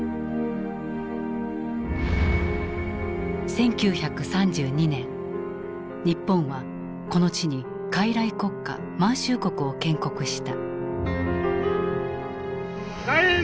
１９３２年日本はこの地に傀儡国家満州国を建国した。